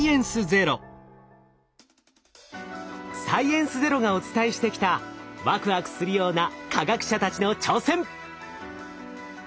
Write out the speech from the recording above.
「サイエンスＺＥＲＯ」がお伝えしてきたワクワクするような科学者たちの挑戦。